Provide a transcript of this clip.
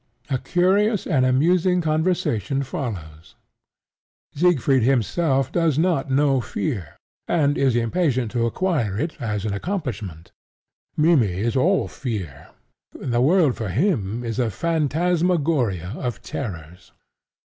A curious and amusing conversation follows. Siegfried himself does not know fear, and is impatient to acquire it as an accomplishment. Mimmy is all fear: the world for him is a phantasmagoria of terrors.